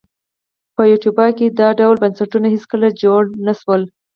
په ایتوپیا کې دا ډول بنسټونه هېڅکله جوړ نه شول.